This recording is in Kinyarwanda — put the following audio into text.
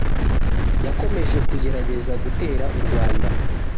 yakomeje kugerageza gutera u Rwanda